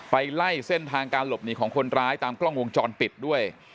ไปไล่เส้นทางการหลบหนีของคนร้ายตามกล้องวงจรปิดด้วย